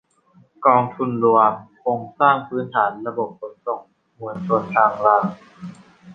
กองทุนรวมโครงสร้างพื้นฐานระบบขนส่งมวลชนทางราง